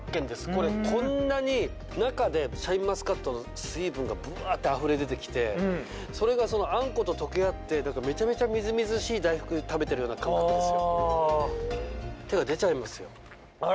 これ、こんなに中でシャインマスカットの水分がブワって溢れ出てきて、それがあんこと溶け合って、めちゃめちゃみずみずしい大福を食べてるような感覚です。